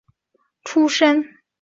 诸生出身。